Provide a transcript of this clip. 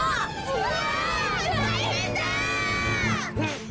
うわ！